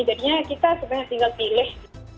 jadinya kita sebenarnya tinggal pilih